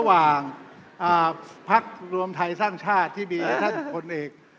ระหว่างภักดิ์รวมไทยสร้างชาติที่มีอันนั้นคนอีก